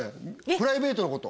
プライベートのこと